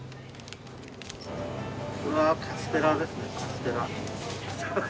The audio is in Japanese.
それはカステラですねカステラ。